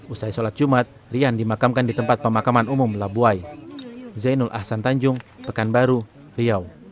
usai sholat jumat rian dimakamkan di tempat pemakaman umum labuai